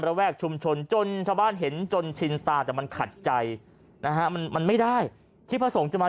แวกชุมชนจนชาวบ้านเห็นจนชินตาแต่มันขัดใจนะฮะมันมันไม่ได้ที่พระสงฆ์จะมา